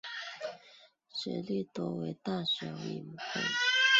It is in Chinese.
学历多为大学文凭。